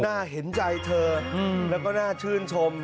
น่าเห็นใจเธอแล้วก็น่าชื่นชม